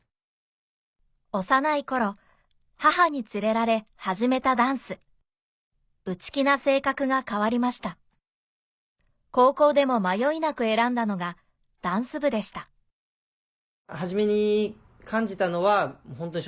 幼い頃母に連れられ始めたダンス内気な性格が変わりました高校でも迷いなく選んだのがダンス部でしたただずっと。